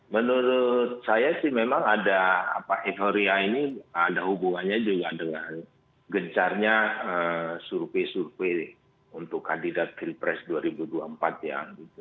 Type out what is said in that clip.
menurut saya sih memang ada euforia ini ada hubungannya juga dengan gencarnya survei survei untuk kandidat pilpres dua ribu dua puluh empat ya